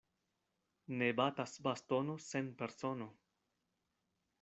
Ne batas bastono sen persono.